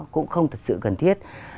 cũng không thật sự cần thiết